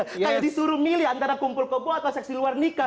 kayak disuruh milih antara kumpul kebo atau seks di luar nikah nih